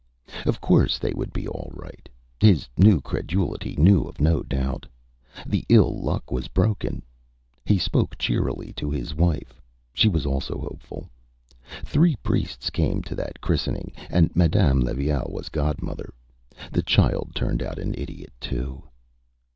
Of course they would be all right. His new credulity knew of no doubt. The ill luck was broken. He spoke cheerily to his wife. She was also hopeful. Three priests came to that christening, and Madame Levaille was godmother. The child turned out an idiot too.